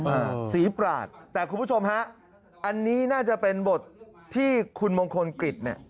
อ่าศรีปราศแต่คุณผู้ชมฮะอันนี้น่าจะเป็นบทที่คุณมงคลกฤษเนี่ย